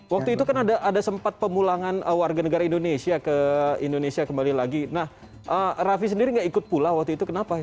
waktu itu kan ada sempat pemulangan warga negara indonesia ke indonesia kembali lagi nah raffi sendiri nggak ikut pula waktu itu kenapa